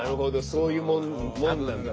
そういうもんなんだと。